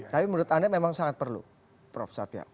tapi menurut anda memang sangat perlu prof satya